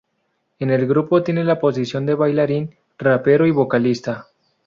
En el grupo tiene la posición de bailarín, rapero y vocalista.